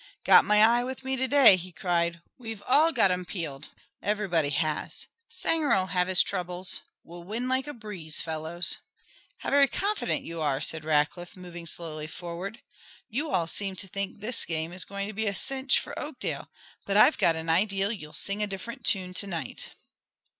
"Got my eye with me to day," he cried. "We've all got 'em peeled; everybody has. Sanger'll have his troubles. We'll win like a breeze, fellows." "How very confident you are," said Rackliff, moving slowly forward. "You all seem to think this game is going to be a cinch for Oakdale, but I've got an idea that you'll sing a different tune to night."